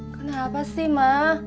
kenapa sih ma